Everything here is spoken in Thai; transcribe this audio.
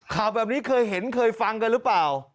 ข่าวแบบนี้เคยเห็นเคยฟังกันหรือเปล่า